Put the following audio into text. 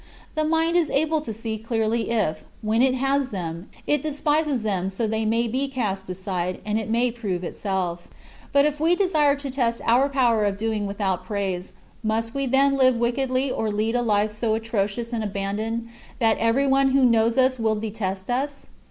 The mind is able to see clearly if, when it has them, it despises them so that they may be cast aside and it may prove itself. But if we desire to test our power of doing without praise, must we then live wickedly or lead a life so atrocious and abandoned that everyone who knows us will detest us?